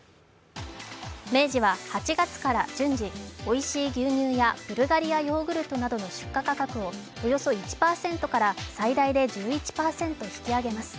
明治は８月から順次、おいしい牛乳やブルガリアヨーグルトなどの出荷価格をおよそ１％から最大で１１％引き上げます。